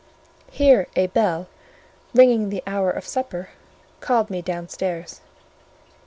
Here a bell, ringing the hour of supper, called me downstairs.